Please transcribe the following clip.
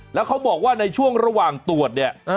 แล้วเขาบอกว่าในช่วงระหว่างตรวจเนี่ย